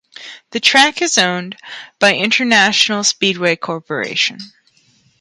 The track is owned by International Speedway Corporation.